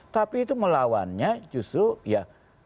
tapi itu melawannya justru ya